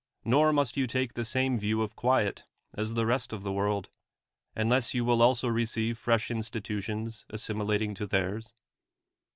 \or must you take the same view of quiet as the rest of the world, unless you will also receive fresh institutions assimilating to 45 THE WORLD'S FAMOUS ORATIONS tlieirs.